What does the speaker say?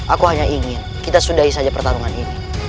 aku hanya ingin kita sudahi saja pertarungan ini